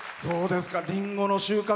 リンゴの収穫